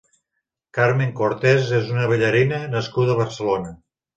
Carmen Cortés és una ballarina nascuda a Barcelona.